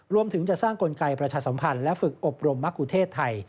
รวมถึงจะสร้างกลไกประชาสัมพันธ์และฝึกอบรมมะกุเทศไทย